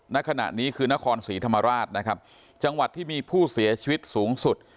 ณขณะนี้คือนครศรีธรรมราชนะครับจังหวัดที่มีผู้เสียชีวิตสูงสุด